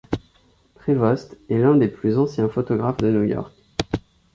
Prevost est l'un des plus anciens photographes de New York.